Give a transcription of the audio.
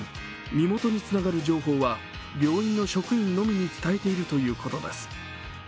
身元のつながる情報は病院の職員のみに伝えているということです。